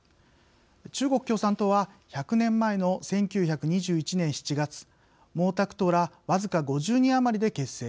中国共産党は１００年前の１９２１年７月毛沢東ら、僅か５０人余りで結成。